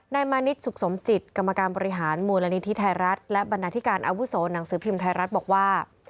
มานิดสุขสมจิตกรรมการบริหารมูลนิธิไทยรัฐและบรรณาธิการอาวุโสหนังสือพิมพ์ไทยรัฐบอกว่า